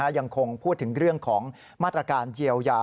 ยังคงพูดถึงเรื่องของมาตรการเยียวยา